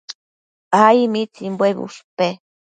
Ai. ¿mitsimbuebi ushpe?